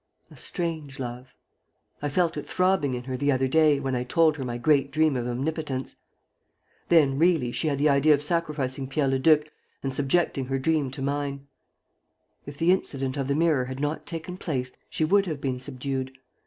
A strange love! I felt it throbbing in her the other day, when I told her my great dream of omnipotence. Then, really, she had the idea of sacrificing Pierre Leduc and subjecting her dream to mine. If the incident of the mirror had not taken place, she would have been subdued.